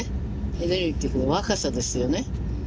エネルギーっていうか若さですよね。